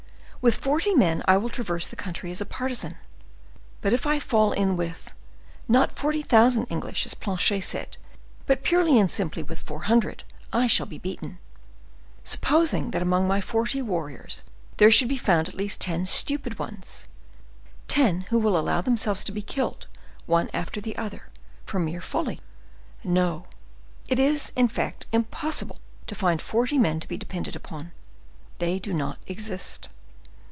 With forty men I will traverse the country as a partisan. But if I fall in with, not forty thousand English, as Planchet said, but purely and simply with four hundred, I shall be beaten. Supposing that among my forty warriors there should be found at least ten stupid ones—ten who will allow themselves to be killed one after the other, from mere folly? No; it is, in fact, impossible to find forty men to be depended upon—they do not exist.